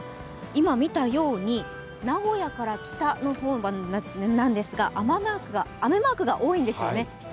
今見たように、名古屋から北の方なんですが、雨マークが多いんですよね。